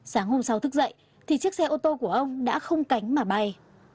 sáng hôm sau thức dậy thì chiếc xe ô tô của ông đã không cánh mà bay